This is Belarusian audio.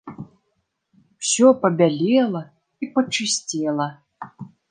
Усё пабялела і пачысцела.